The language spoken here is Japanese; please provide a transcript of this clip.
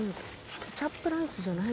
ケチャップライスじゃないんだ。